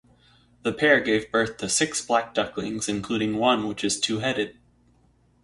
The pair gave birth to six black ducklings including one which is two-headed.